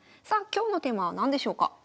さあ今日のテーマは何でしょうか？